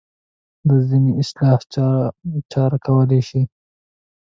د خپلې اصلاح چاره کولی شي.